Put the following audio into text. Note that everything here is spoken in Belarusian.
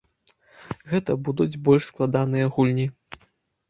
Гэта будуць больш складаныя гульні.